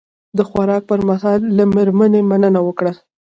د خوراک پر مهال له میرمنې مننه وکړه.